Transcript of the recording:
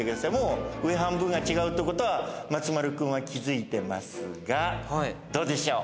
上半分が違うってことは松丸君は気付いてますがどうでしょう？